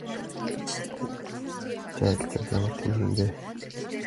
зайл зайл ямар тэнэг юм бэ?